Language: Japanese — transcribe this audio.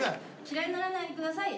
「嫌いにならないでください！